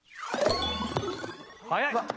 早い！